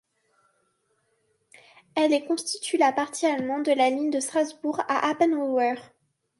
Elle est constitue la partie allemande de la ligne de Strasbourg à Appenweier.